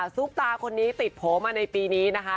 ซุปตาคนนี้ติดโผล่มาในปีนี้นะคะ